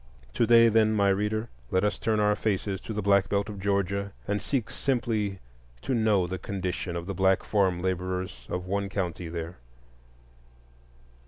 To day, then, my reader, let us turn our faces to the Black Belt of Georgia and seek simply to know the condition of the black farm laborers of one county there.